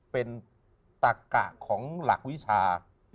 เป็นตักกะของหลักวิชา